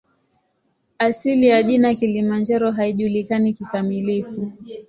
Asili ya jina "Kilimanjaro" haijulikani kikamilifu.